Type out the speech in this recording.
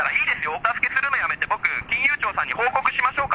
お助けするのやめて、僕、金融庁さんに報告しましょうか？